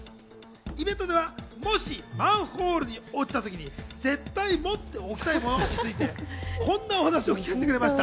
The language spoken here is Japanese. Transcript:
イベントではもしマンホールに落ちた時に、絶対持っておきたいものについて、こんなお話を聞かせてくれました。